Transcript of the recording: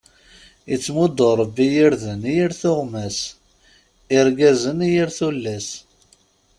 Ittemuddu ṛebbi irden i yir tuɣmas, irggazen i yir tullas.